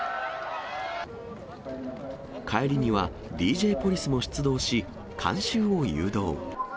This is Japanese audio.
帰りには、ＤＪポリスも出動し、観衆を誘導。